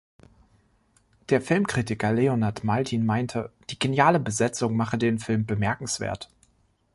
Der Filmkritiker Leonard Maltin meinte, die „geniale Besetzung“ mache den Film „bemerkenswert“.